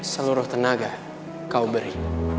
seluruh tenaga kau beri